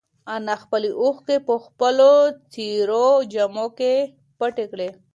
انا خپلې اوښکې په خپلو څېرو جامو کې پټې کړې.